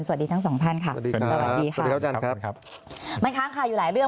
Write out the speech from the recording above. สวัสดีทั้งสองท่านค่ะสวัสดีครับครับมันค้างคายอยู่หลายเรื่อง